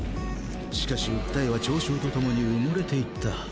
しかし訴えは嘲笑と共に埋もれていった。